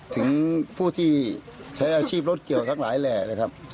ถึงผู้ที่ใช้อาชีพรถเกี่ยวทั้งหลายแหล่นะครับ